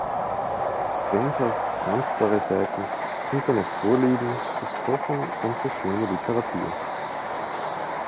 Spensers sanftere Seiten sind seine Vorliebe fürs Kochen und für Schöne Literatur.